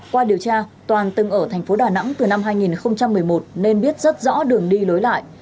qua điều tra toàn từng ở thành phố đà nẵng từ năm hai nghìn một mươi một nên biết rất rõ đường đi lối lại